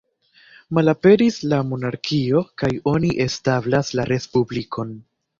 Malaperis la monarkio kaj oni establas la Respublikon.